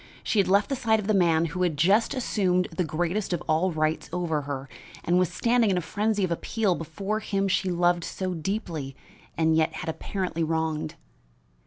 She had left the side of the man who had just assumed the greatest of all rights over her and was standing in a frenzy of appeal before him she loved so deeply and yet had apparently wronged.